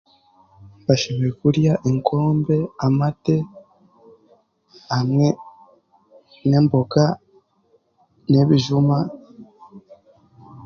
Bashemerire kurya enkombe amate hamwe n'emboga n'ebijuma